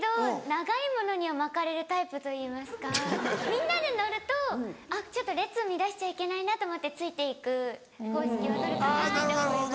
長いものには巻かれるタイプといいますかみんなで乗るとちょっと列を乱しちゃいけないなと思ってついて行く方式はとるかなって思います。